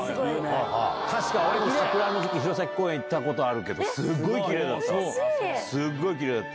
確か、俺も桜の時期、弘前公園行ったことあるけど、すごいきれいだった。